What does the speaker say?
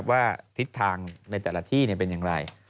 ทิศทางในแต่ละที่เป็นอย่างไร